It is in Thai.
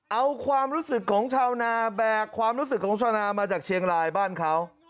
เอาความรู้สึกของชาวนาแบกความรู้สึกของชาวนามาจากเชียงรายบ้านเขา